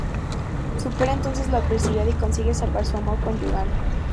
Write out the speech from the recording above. Supera entonces la adversidad y consigue salvar su amor conyugal.